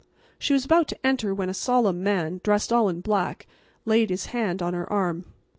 She was about to enter, when a solemn man, dressed all in black, laid his hand on her arm.